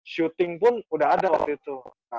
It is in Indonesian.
syuting pun udah ada waktu itu